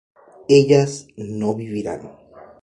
ellas no vivirán